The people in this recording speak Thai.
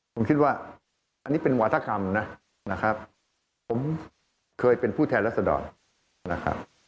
ผมคิดว่าอันนี้เป็นหวัฒกรรมผมเคยเป็นผู้แทนรัฐสดอด